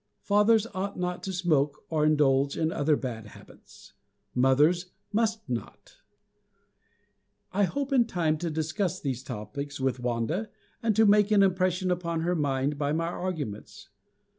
Fathers ought not to smoke or indulge in other bad habits. Mothers must not. I hope in time to discuss these topics with Wanda, and to make an impression upon her mind by my arguments.